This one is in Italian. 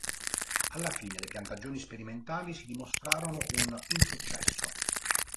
Alla fine le piantagioni sperimentali si dimostrarono un insuccesso.